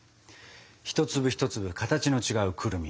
一粒一粒形の違うくるみ。